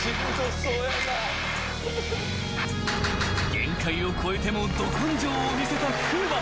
［限界を超えてもど根性を見せた風磨］